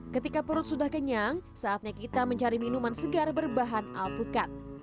ketika perut sudah kenyang saatnya kita mencari minuman segar berbahan alpukat